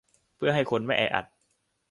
เพื่อให้คนไม่แออัด